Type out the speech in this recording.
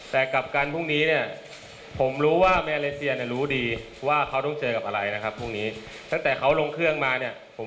แล้วก็ขอให้มาเลเซียฝันดีในคืนนี้นะครับ